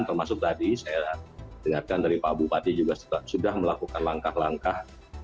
termasuk tadi saya dengarkan dari pak bupati juga sudah melakukan langkah langkah